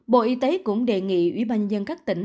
bộ y tế cũng đề nghị ủy ban nhân các tỉnh